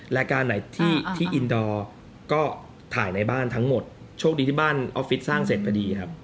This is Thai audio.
รายการไหนที่อินดอร์ก็ถ่ายในบ้านทั้งหมดโชคดีที่บ้านออฟฟิศสร้างเสร็จพอดีครับ